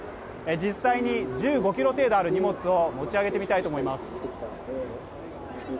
実際に１５ｋｇ程度ある荷物を持ち上げてみたいと思います。